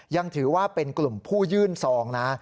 ยังถือว่าเป็นกลุ่มผู้ยื่นซองนะ